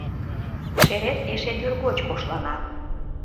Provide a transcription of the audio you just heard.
Шерет эше тӱргоч кошлана.